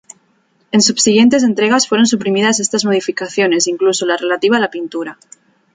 En subsiguientes entregas fueron suprimidas estas modificaciones, incluso la relativa a la pintura.